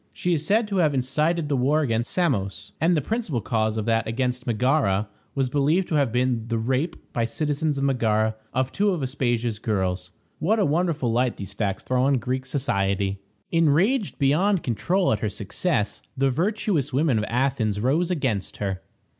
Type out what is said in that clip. She is said to have incited the war against Samos; and the principal cause of that against Megara was believed to have been the rape, by citizens of Megara, of two of Aspasia's girls. What a wonderful light these facts throw on Greek society! Enraged beyond control at her success, the virtuous women of Athens rose against her.